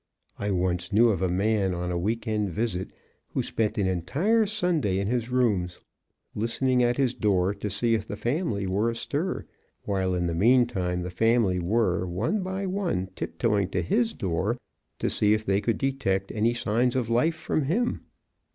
I once knew of a man on a week end visit who spent an entire Sunday in his room, listening at his door to see if the family were astir, while, in the meantime, the family were, one by one, tip toeing to his door to see if they could detect any signs of life from him.